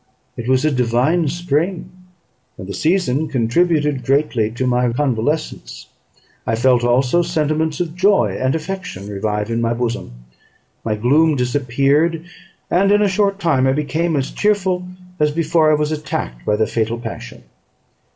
It was a divine spring; and the season contributed greatly to my convalescence. I felt also sentiments of joy and affection revive in my bosom; my gloom disappeared, and in a short time I became as cheerful as before I was attacked by the fatal passion.